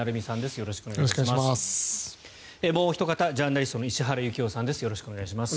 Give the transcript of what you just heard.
よろしくお願いします。